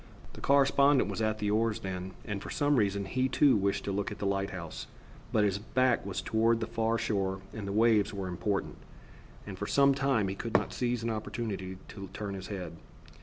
The correspondent was at the oars then, and for some reason he too wished to look at the lighthouse, but his back was toward the far shore and the waves were important, and for some time he could not seize an opportunity to turn his head.